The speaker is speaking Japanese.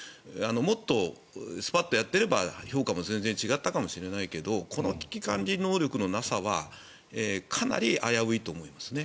もっとスパッとやっていれば評価も全然違ったかもしれないけどこの危機管理能力のなさはかなり危ういと思います。